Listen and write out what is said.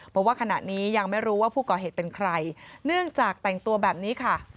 บอกว่าขณะนี้ยังไม่รู้ว่าผู้ก่อเหตุเป็นใครเนื่องจากแต่งตัวแบบนี้ค่ะ